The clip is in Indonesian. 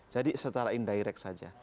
jadi secara indirect saja